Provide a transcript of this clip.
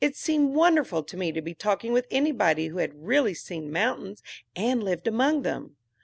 It seemed wonderful to me to be talking with anybody who had really seen mountains and lived among them.